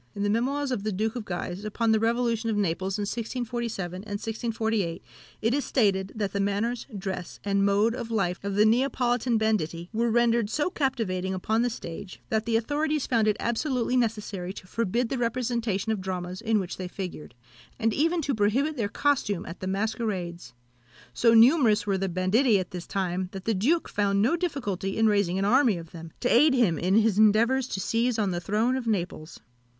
In the Memoirs of the Duke of Guise upon the Revolution of Naples in 1647 and 1648, it is stated, that the manners, dress, and mode of life of the Neapolitan banditti were rendered so captivating upon the stage, that the authorities found it absolutely necessary to forbid the representation of dramas in which they figured, and even to prohibit their costume at the masquerades. So numerous were the banditti at this time, that the duke found no difficulty in raising an army of them, to aid him in his endeavours to seize on the throne of Naples.